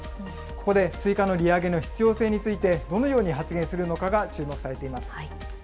ここで追加の利上げの必要性について、どのように発言するのかが注目されています。